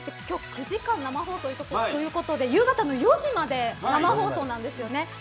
今日９時間生放送ということで夕方４時まで生放送なんですよね。